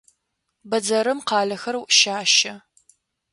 Бэдзэрым къалэхэр щащэ.